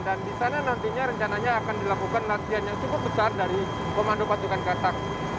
dan di sana nantinya rencananya akan dilakukan latihan yang cukup besar dari komando pasukan katak